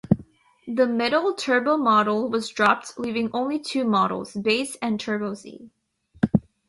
The middle "Turbo" model was dropped, leaving only two models: Base and Turbo Z.